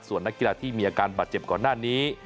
ส่วนนักกีฬาที่มีอาการบาดเจ็บก่อนหน้านี้